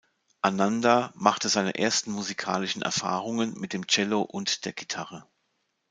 Ananda machte seine ersten musikalischen Erfahrungen mit dem Cello und der Gitarre.